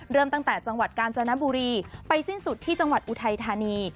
เริ่มตั้งแต่จังหวัดกาญจนบุรีไปสิ้นสุดที่จังหวัดอุทัยธานี